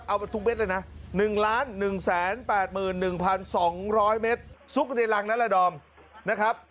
เอาไปทุกเม็ดเลยนะ๑๑๘๑๒๐๐เมตรซุกในรังนั้นแหละดอมนะครับ